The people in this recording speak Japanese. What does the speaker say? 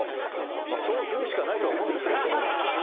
そう言うしかないとは思うんですけども。